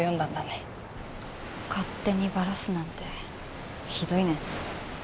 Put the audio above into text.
勝手にバラすなんてひどいね。